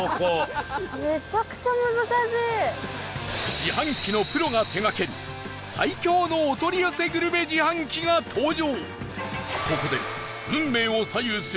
自販機のプロが手掛ける最強のお取り寄せグルメ自販機が登場